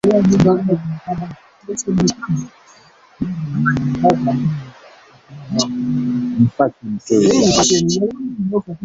Ananipa wasiwasi